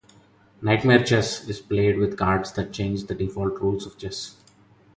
"Knightmare Chess" is played with cards that change the default rules of chess.